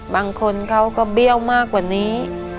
บางคนเขาก็เบี้ยวมากกว่านี้